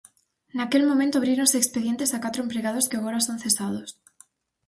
Naquel momento abríronse expedientes a catro empregados que agora son cesados.